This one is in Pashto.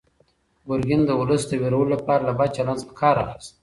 ګورګین د ولس د وېرولو لپاره له بد چلند څخه کار اخیست.